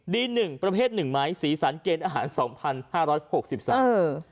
หนึ่งประเภทหนึ่งไหมสีสันเกณฑ์อาหารสองพันห้าร้อยหกสิบสามเออ